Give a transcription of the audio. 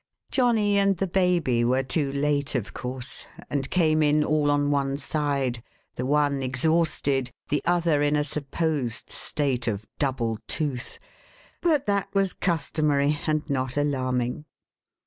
Johnny and the baby were too late, of course, and came in all 524 THE HAUNTED MAN. on one side, the one exhausted, the other in a supposed state of double tooth ; but that was customary, and not alarming.